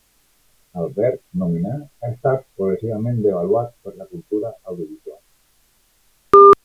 El verb "nominar" ha estat progressivament devaluat per la cultura audiovisual.